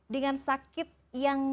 dengan sakit yang